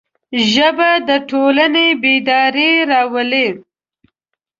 ژبه د ټولنې بیداري راولي